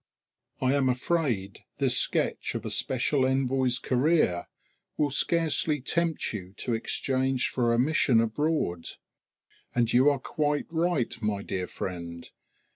I am afraid this sketch of a special envoy's career will scarcely tempt you to exchange for a mission abroad! And you are quite right, my dear friend.